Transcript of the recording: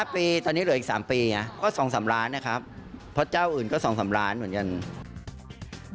ตอนนี้เหลืออีก๓ปีก็๒๓ล้านนะครับเพราะเจ้าอื่นก็๒๓ล้านเหมือนกัน